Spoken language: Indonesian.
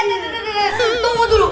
eh tunggu dulu